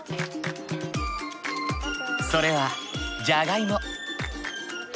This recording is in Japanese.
それはじゃがいも。